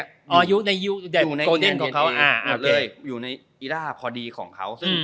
อยู่ในอีล่าพอดีของเขา